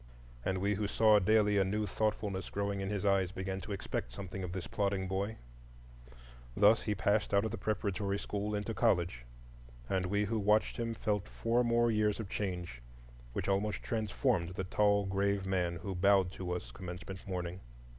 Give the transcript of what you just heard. And we who saw daily a new thoughtfulness growing in his eyes began to expect something of this plodding boy. Thus he passed out of the preparatory school into college, and we who watched him felt four more years of change, which almost transformed the tall, grave man who bowed to us commencement morning.